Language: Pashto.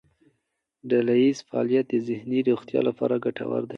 ډلهییز فعالیت د ذهني روغتیا لپاره ګټور دی.